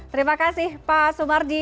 terima kasih pak sumarji